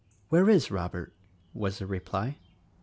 "Where is Robert?" was the reply.